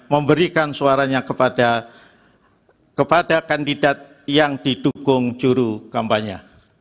memberikan suaranya kepada kandidat yang didukung juru kampanye